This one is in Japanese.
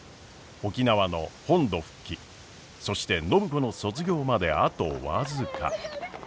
沖縄の本土復帰そして暢子の卒業まであと僅か。